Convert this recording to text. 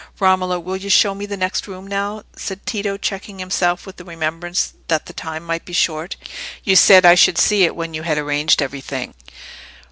"Romola, will you show me the next room now?" said Tito, checking himself with the remembrance that the time might be short. "You said I should see it when you had arranged everything."